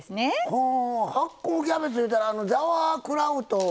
ほお発酵キャベツいうたら「ザワークラウト」のことですか？